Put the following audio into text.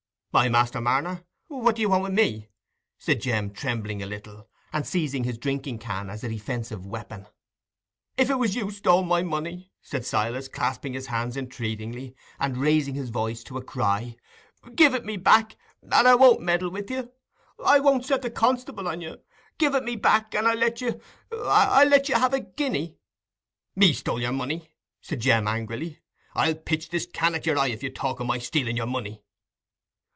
"Aye, Master Marner, what do you want wi' me?" said Jem, trembling a little, and seizing his drinking can as a defensive weapon. "If it was you stole my money," said Silas, clasping his hands entreatingly, and raising his voice to a cry, "give it me back—and I won't meddle with you. I won't set the constable on you. Give it me back, and I'll let you—I'll let you have a guinea." "Me stole your money!" said Jem, angrily. "I'll pitch this can at your eye if you talk o' my stealing your money."